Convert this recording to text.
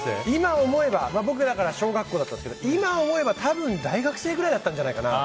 僕、小学校だったんですけど今、思えば多分大学生くらいだったんじゃないかな。